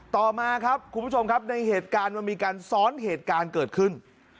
ต่อมาครับคุณผู้ชมครับในเหตุการณ์มันมีการซ้อนเหตุการณ์เกิดขึ้น